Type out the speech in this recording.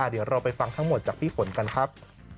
เดี๋ยวเราไปฟังทั้งหมดจากพี่ฝนกันครับ